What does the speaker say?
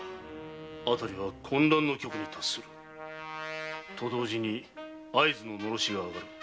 辺りは混乱の極に達する。と同時に合図のノロシが上がる。